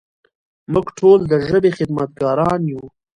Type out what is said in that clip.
موږ ټول د ژبې خدمتګاران یو.